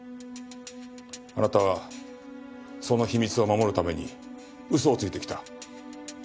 あなたはその秘密を守るために嘘をついてきた。